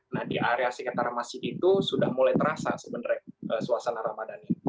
nah di area sekitar masjid itu sudah mulai terasa sebenarnya suasana ramadan itu